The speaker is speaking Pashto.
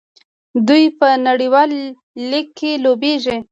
دوی په نړیوال لیګ کې لوبېږي.